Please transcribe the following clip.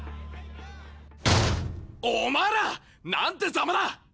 お前ら！なんてザマだ！